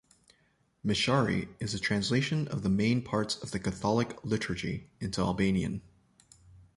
"Meshari" is the translation of the main parts of the Catholic Liturgy into Albanian.